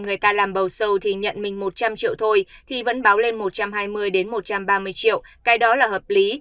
người ta làm bầu sâu thì nhận mình một trăm linh triệu thôi thì vẫn báo lên một trăm hai mươi một trăm ba mươi triệu cái đó là hợp lý